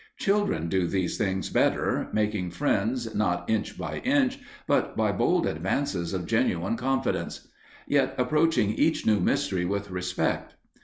Children do these things better, making friends not inch by inch, but by bold advances of genuine confidence, yet approaching each new mystery with respect.